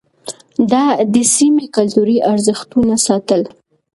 ده د سيمې کلتوري ارزښتونه ساتل.